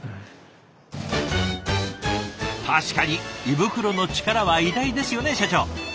胃袋の力は偉大ですよね社長。